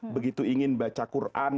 begitu ingin baca quran